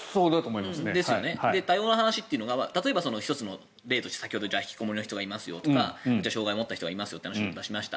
多様な話というのが１つの例として先ほど引きこもりの人がいますよとか障害を持った人がいますよという話を出しました。